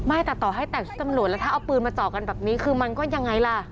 ต่อให้แต่งชุดตำรวจแล้วถ้าเอาปืนมาเจาะกันแบบนี้คือมันก็ยังไงล่ะ